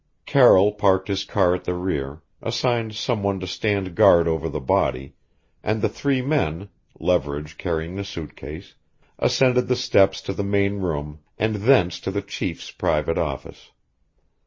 Carroll parked his car at the rear, assigned some one to stand guard over the body, and the three men, Leverage carrying the suit case, ascended the steps to the main room and thence to the chief's private office.